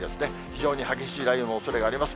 非常に激しい雷雨のおそれがあります。